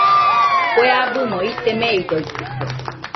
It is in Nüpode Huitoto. Kue abɨmo ite meidoitɨkue.